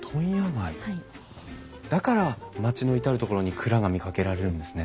だから町の至る所に蔵が見かけられるんですね。